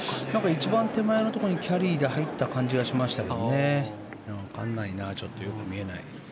一番手前のところにキャリーで入った感じがしましたけどわかんないなちょっとよく見えない。